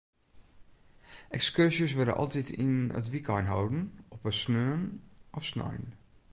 Ekskurzjes wurde altyd yn it wykein holden, op in sneon of snein.